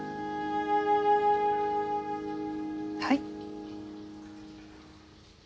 はい。